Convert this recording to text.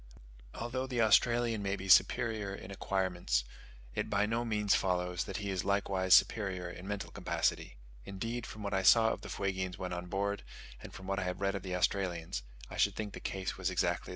Although the Australian may be superior in acquirements, it by no means follows that he is likewise superior in mental capacity: indeed, from what I saw of the Fuegians when on board and from what I have read of the Australians, I should think the case was exactly the reverse.